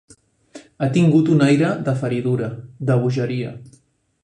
Ha tingut un aire de feridura, de bogeria.